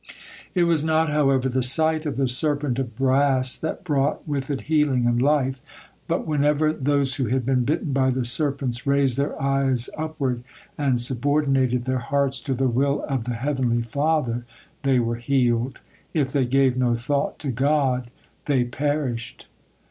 It was not, however, the sight of the serpent of brass that brought with it healing and life; but whenever those who had been bitten by the serpents raised their eyes upward and subordinated their hearts to the will of the heavenly Father, they were healed; if they gave no thought to God, they perished.